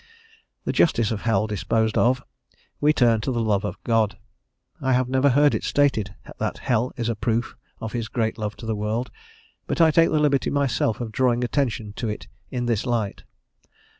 The justice of hell disposed of, we turn to the love of God. I have never heard it stated that hell is a proof of his great love to the world, but I take the liberty myself of drawing attention to it in this light.